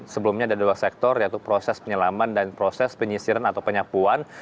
sebelumnya ada dua sektor yaitu proses penyelaman dan proses penyisiran atau penyapuan